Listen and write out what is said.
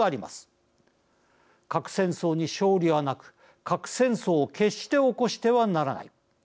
核戦争に勝利はなく核戦争を決して起こしてはならない。